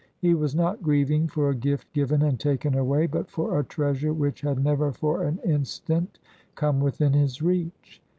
He was not grieving for a gift given and taken away, but for a treasure which had never for an instant come within his reach.